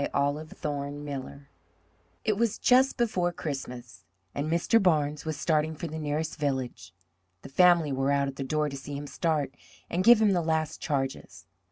OLIVE THORNE MILLER It was just before Christmas, and Mr. Barnes was starting for the nearest village. The family were out at the door to see him start, and give him the last charges.